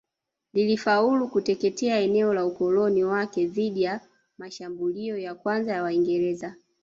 Lilifaulu kutetea eneo la ukoloni wake dhidi ya mashambulio ya kwanza ya Waingereza